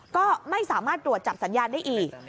ก็ไม่สามารถตรวจจับสัญญาณได้อีก